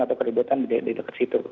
atau keributan di dekat situ